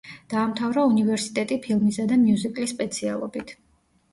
დაამთავრა უნივერსიტეტი ფილმისა და მიუზიკლის სპეციალობით.